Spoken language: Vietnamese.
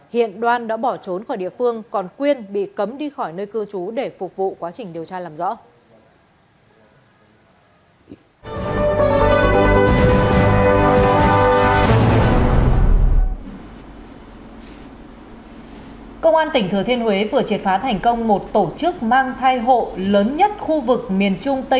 hiện đoan đã bỏ trốn khỏi địa phương còn quyên bị cấm đi khỏi nơi cư trú để phục vụ quá trình điều tra